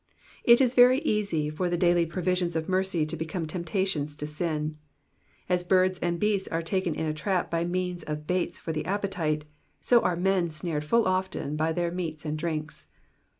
It is very easy for the daily provisions of mercy to become temptations to sin. As birds and beasts are taken in a trap by means of baits for the appetite, so are men snared full often by their meats and drinks.